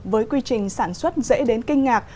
với quy trình sản xuất dễ đến kinh ngạc